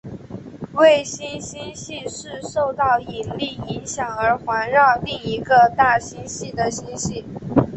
卫星星系是受到引力影响而环绕另一个大星系的星系。